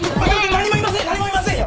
何もいません何もいませんよ